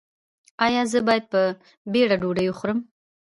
ایا زه باید په بیړه ډوډۍ وخورم؟